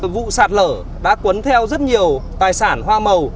vụ sạt lở đã cuốn theo rất nhiều tài sản hoa màu